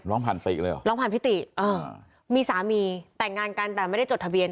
ร้องผ่านติเลยเหรอร้องผ่านพิติเออมีสามีแต่งงานกันแต่ไม่ได้จดทะเบียน